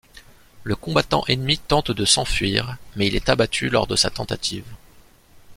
Le combattant ennemi tente de s'enfuir, mais il est abattu lors de sa tentative.